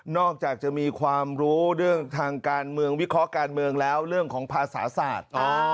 อกจากจะมีความรู้เรื่องทางการเมืองวิเคราะห์การเมืองแล้วเรื่องของภาษาศาสตร์